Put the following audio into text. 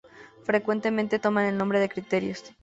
Frecuentemente toman el nombre de criterios.